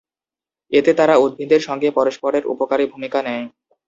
এতে তারা উদ্ভিদের সঙ্গে পরস্পরের উপকারী ভূমিকা নেয়।